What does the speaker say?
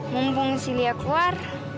mumpung si lia keluar